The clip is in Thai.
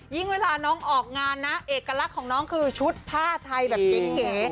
เวลาน้องออกงานนะเอกลักษณ์ของน้องคือชุดผ้าไทยแบบเก๋